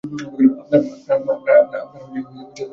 আপনার দাসেরা এসে গেছে।